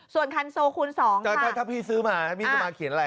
ส่วนคันโซคูณ๒ถ้าพี่ซื้อมาพี่จะมาเขียนอะไร